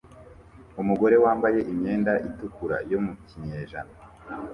Umugore wambaye imyenda itukura yo mu kinyejana